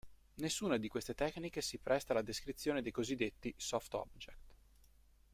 Nessuna di queste tecniche si presta alla descrizione dei cosiddetti "soft object".